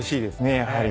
やはり。